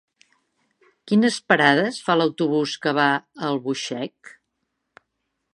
Quines parades fa l'autobús que va a Albuixec?